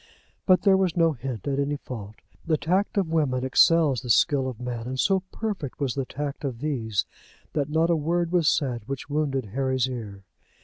But there was no hint at any fault. The tact of women excels the skill of men; and so perfect was the tact of these women that not a word was said which wounded Harry's ear.